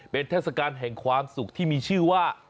เป็นเทศกาลแห่งความสุขที่มีชื่อว่า